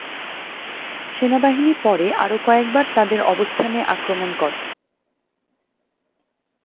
সেনাবাহিনী পরে আরও কয়েকবার তাদের অবস্থানে আক্রমণ করে।